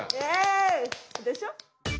でしょ。